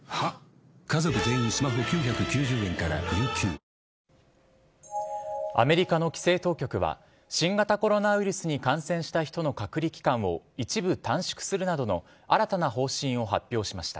で、離してアメリカの規制当局は、新型コロナウイルスに感染した人の隔離期間を一部短縮するなどの新たな方針を発表しました。